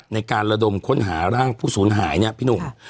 ในการระดมค้นหาร่างผู้สูญหายเนี่ยพี่หนุ่ม